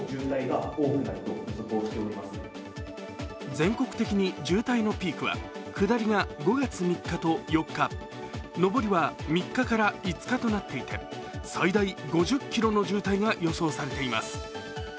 全国的に渋滞のピークは下りが５月３日と４日、上りは３日から５日となっていて最大５０ｋｍの渋滞が予想されています。